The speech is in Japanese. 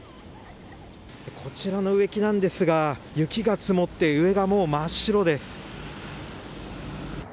こちらの植木なんですが雪が積もって上がもう真っ白です。